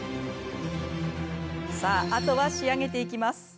さあ、あとは仕上げていきます。